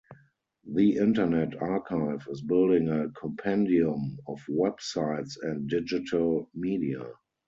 The Internet Archive is building a compendium of websites and digital media.